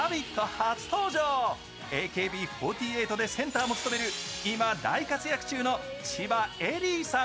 初登場、ＡＫＢ４８でセンターを務める今、大活躍の千葉恵里さん。